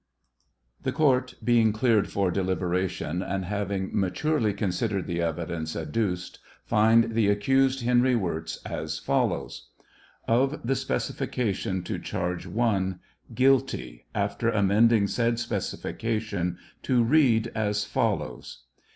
The court, being cleared for deliberation, and having maturely considered the evidence adduced, find the accused, Henry Wii z, as follows : Of the specification to charge I, " guilty," after amending said specification to read as follows